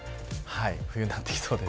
冬になってきそうです。